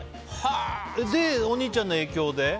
で、お兄ちゃんの影響で？